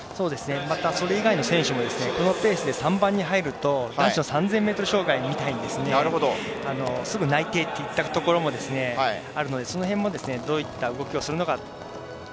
それ以外の選手もこのペースで３番に入ると３０００ｍ障害のようにすぐ内定といったところもありますのでどういった動きをするのか。